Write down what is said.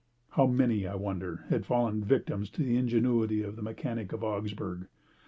How many, I wondered, had fallen victims to the ingenuity of the mechanic of Ausgburg?